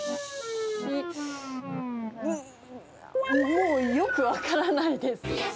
もうよく分からないです。